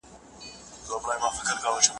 افغانانو په پاني پت کې د مېړانې نوی تاریخ ولیکه.